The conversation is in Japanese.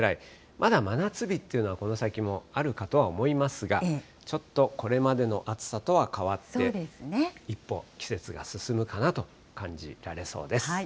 まだ真夏日っていうのはこの先もあるかとは思いますが、ちょっとこれまでの暑さとは変わって、一歩季節が進むかなと感じられそうです。